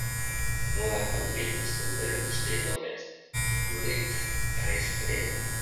Nolan has written several mystery novels, including the "Challis" series.